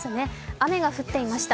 雨が降っていました。